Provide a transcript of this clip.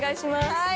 はい！